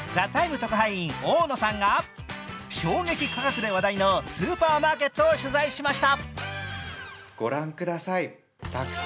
特派員大野さんが衝撃価格で話題のスーパーマーケットを取材しました。